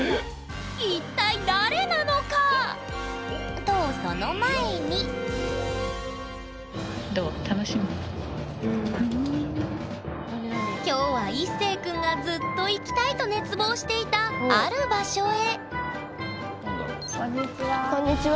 一体誰なのか⁉とその前に今日はいっせい君がずっと行きたいと熱望していたある場所へこんにちは。